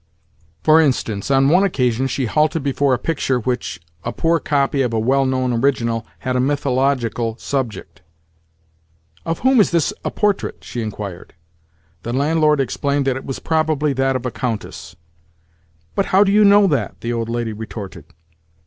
For instance, on one occasion she halted before a picture which, a poor copy of a well known original, had a mythological subject. "Of whom is this a portrait?" she inquired. The landlord explained that it was probably that of a countess. "But how know you that?" the old lady retorted.